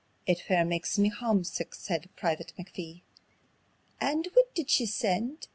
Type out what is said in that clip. It fair maks me hamesick," says Private McPhee. "And whit did she send ye?"